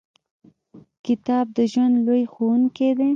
• کتاب د ژوند لوی ښوونکی دی.